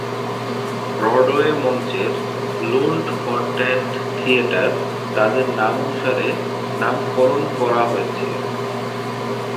Broadway মঞ্চের Lunt-Fontanne theatre তাদের নামানুসারে নামকরণ করা হয়েছে।